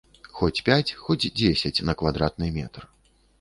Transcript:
Хоць пяць, хоць дзесяць на квадратны метр.